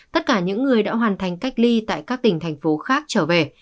tất cả những người đã hoàn thành cách ly tại các tỉnh thành phố khác trở về